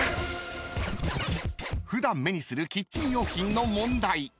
［普段目にするキッチン用品の問題］